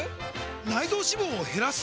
内臓脂肪を減らす！？